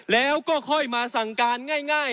แล้วก็ค่อยมาสั่งการง่าย